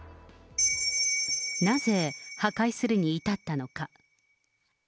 なぜ破壊するに至ったのか。